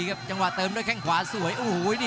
รับทราบบรรดาศักดิ์